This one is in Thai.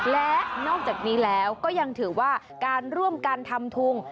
และนอกจากนี้แล้วก็ยังถือว่าการร่วมกันทำทุง